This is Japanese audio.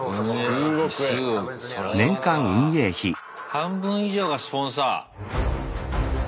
半分以上がスポンサー。